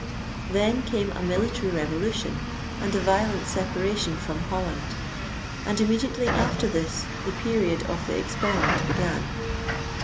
Then came a military revolution and a violent separation from Holland ; and immediately after this the period of the experiment began.